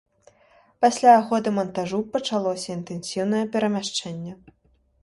Пасля яго дэмантажу пачалося інтэнсіўнае перамяшчэнне.